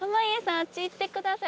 あっち行ってください。